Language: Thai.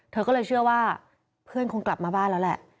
เธอก็เลยเชื่อว่าเพื่อนคงกลับมาบ้านแล้วแหละ